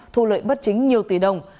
thu lợi bất chính nhiều tỷ đồng